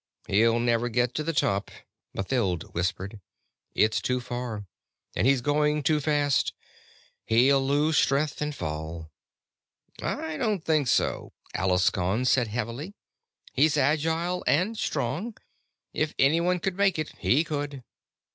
"He'll never get to the top," Mathild whispered. "It's too far, and he's going too fast. He'll lose strength and fall." "I don't think so," Alaskon said heavily. "He's agile and strong. If anyone could make it, he could."